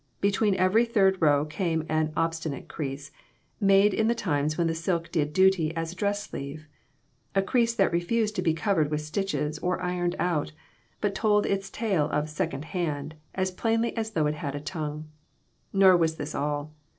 Between every third row came an obstinate crease, made in the times when the silk did duty as a dress sleeve a crease that refused to be covered with stitches, or ironed out, but told its tale of "second hand" as plainly as though it had a tongue. Nor was this all.